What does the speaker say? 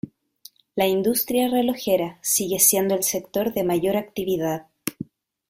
La industria relojera sigue siendo el sector de mayor actividad.